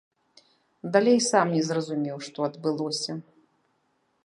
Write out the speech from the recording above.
Далей сам не зразумеў, што адбылося.